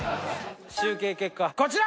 集計結果はこちら！